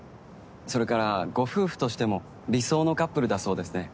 それからご夫婦としても理想のカップルだそうですね。